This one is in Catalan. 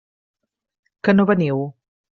Que no veniu?